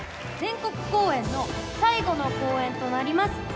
全国公演の最後の公演となります